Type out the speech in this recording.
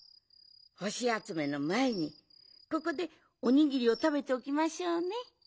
ほしあつめのまえにここでおにぎりをたべておきましょうね。